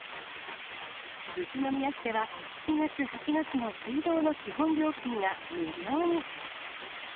宇都宮市では、７月８月の水道の基本料金が無料に。